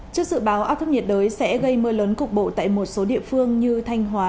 trước dự báo áp thấp nhiệt đới sẽ gây mưa lớn cục bộ tại một số địa phương như thanh hóa